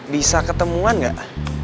bisa ketemuan gak